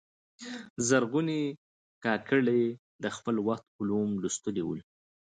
زرغونې کاکړي د خپل وخت علوم لوستلي ول.